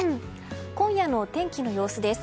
今夜のお天気の様子です。